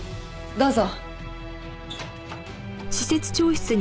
どうぞ。